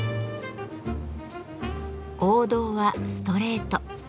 王道は「ストレート」。